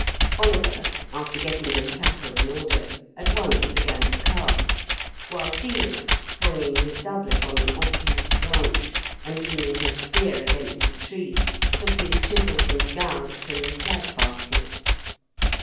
Oliver, after getting his tackle in order, at once began to cast, while Felix, hanging his doublet on an oft used branch, and leaning his spear against a tree, took his chisels and gouge from the flag basket.